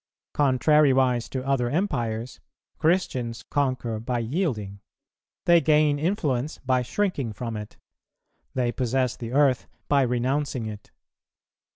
Contrariwise to other empires, Christians conquer by yielding; they gain influence by shrinking from it; they possess the earth by renouncing it.